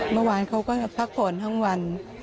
เมื่อวานเขาก็พักผ่อนทั้งวัน